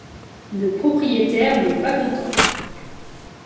Le propriétaire n’est pas content.